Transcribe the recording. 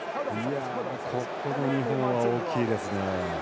ここの２本は大きいですね。